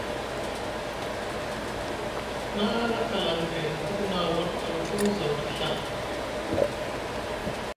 Te na haɗa kalaŋ gaini tuku na war tolofon zaw ɗi Ɵa.